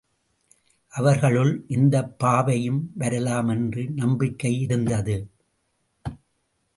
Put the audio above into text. அவர்களுள் இந்தப் பாவையும் வரலாம் என்ற நம்பிக்கை இருந்தது.